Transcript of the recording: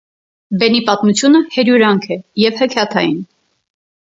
Բենի պատմությունը հերյուրանք է և հեքիաթային։